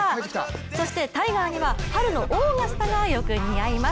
そしてタイガーには春のオーガスタがよく似合います。